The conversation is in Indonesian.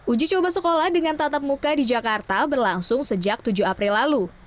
uji coba sekolah dengan tatap muka di jakarta berlangsung sejak tujuh april lalu